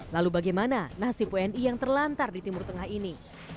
lalu bagaimana nasib wni yang terlantar di timur tengah ini